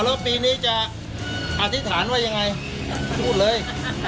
แล้วปีนี้จะอธิษฐานว่ายังไงพูดเลย